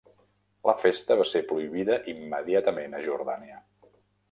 La festa va ser prohibida immediatament a Jordània.